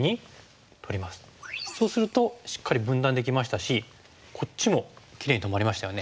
そうするとしっかり分断できましたしこっちもきれいに止まりましたよね。